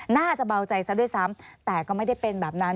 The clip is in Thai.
น่าจะเบาใจซะด้วยซ้ำแต่ก็ไม่ได้เป็นแบบนั้น